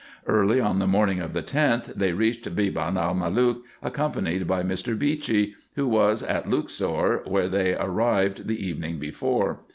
Early on the morning of the 10th they reached Beban el Malook, accompanied by Mr. Beechey, who was at Luxor, where they arrived the evening before.